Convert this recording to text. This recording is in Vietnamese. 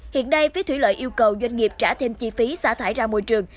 hiện đây phía thủy lợi yêu cầu doanh nghiệp trả thêm chi phí xả thải ra môi trường